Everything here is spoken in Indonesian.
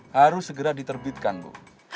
harus segera diterbitkan bu